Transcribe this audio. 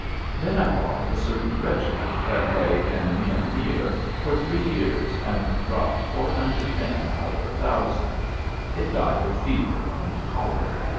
Then I thought of a certain regiment that lay in Mian Mir for three years and dropped four hundred men out of a thousand. It died of fever and cholera.